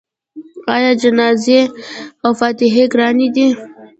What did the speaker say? آیا جنازې او فاتحې ګرانې دي؟